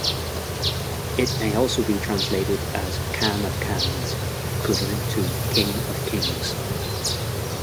It may also be translated as Khan of Khans, equivalent to King of Kings.